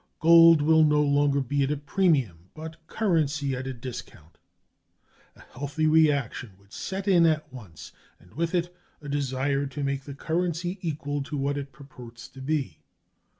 Gold would no longer be at a premium, but currency at a discount. A healthy reaction would set in at once, and with it a desire to make the currency equal to what it purports to be.